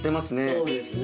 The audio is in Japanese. そうですね。